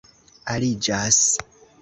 aliĝas